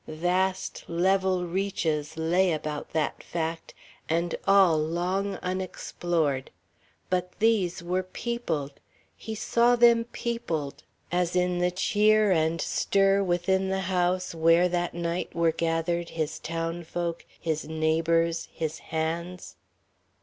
Vast, level reaches lay about that fact, and all long unexplored. But these were peopled. He saw them peopled.... ... As in the cheer and stir within the house where that night were gathered his townsfolk, his neighbours, his "hands."